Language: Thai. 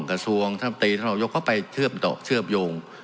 กระทรวงท่านพระมติธนภาคยกเข้าไปเชื่อมโยง